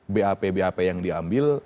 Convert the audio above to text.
bap bap yang diambil